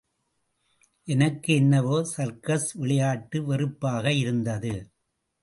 எனக்கு என்னவோ சர்க்கஸ் விளையாட்டு வெறுப்பாகயிருந்தது.